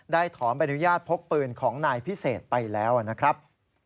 ถอนใบอนุญาตพกปืนของนายพิเศษไปแล้วนะครับ